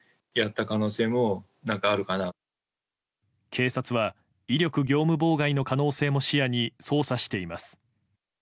警察は威力業務妨害の可能性も視野に捜査しています。